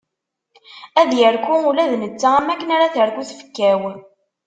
Ad yerku ula d netta am waken ara terku tfekka-w.